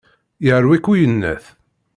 Yerwi-k uyennat.